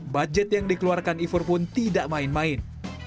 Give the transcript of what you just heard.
budget yang dikeluarkan ifur pun tidak main main